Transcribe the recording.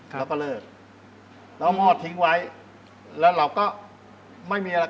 แล้วก็เลิกแล้วมอดทิ้งไว้แล้วเราก็ไม่มีอะไร